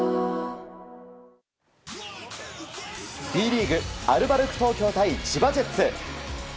Ｂリーグアルバルク東京対千葉ジェッツ。